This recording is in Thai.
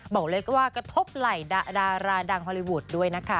บอกเลยว่ากระทบไหล่ดาราดังฮอลลีวูดด้วยนะคะ